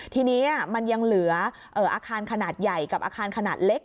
ทีนี้มันยังเหลืออาคารขนาดใหญ่กับอาคารขนาดเล็ก